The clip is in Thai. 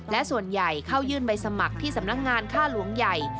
และส่วนใหญ่เข้ายื่นใบสมัครที่สำนักงานค่าหลวงใหญ่